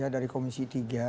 dari komisi tiga